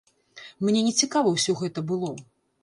Мне нецікава ўсё гэта было.